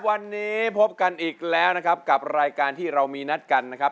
วันนี้พบกันอีกแล้วนะครับกับรายการที่เรามีนัดกันนะครับ